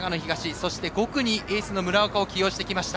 そして５区にエースの村岡を起用してきました。